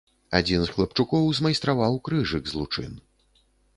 Адзін з хлапчукоў змайстраваў крыжык з лучын.